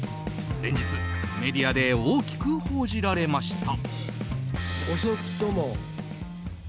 連日、メディアで大きく報じられました。